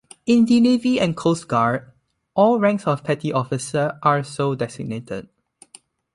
In the Navy and Coast Guard, all ranks of petty officer are so designated.